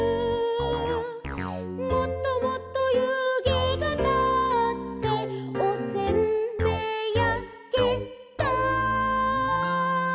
「もっともっと湯気がたっておせんべいやけた」